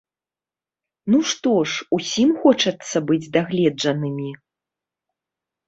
Ну што ж, усім хочацца быць дагледжанымі!